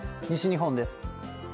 西日本です。